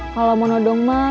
kalau mau nodong mah